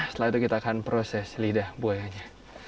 setelah itu kita akan proses lidah buayanya